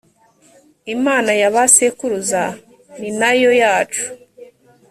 imana ya ba sekuruza ninayo yacu.